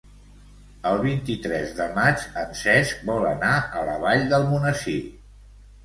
El vint-i-tres de maig en Cesc vol anar a la Vall d'Almonesir.